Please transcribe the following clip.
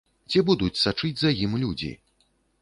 Ці будуць сачыць за ім людзі?